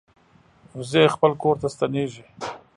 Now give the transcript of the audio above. وزې خپل کور ته ستنېږي